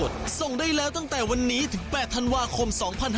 ส่งได้แล้วตั้งแต่วันนี้ถึง๘ธันวาคม๒๕๖๒